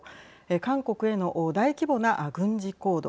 韓国への大規模な軍事行動。